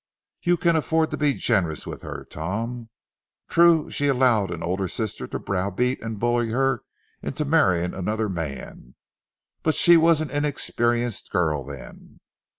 You can afford to be generous with her, Tom. True, she allowed an older sister to browbeat and bully her into marrying another man, but she was an inexperienced girl then.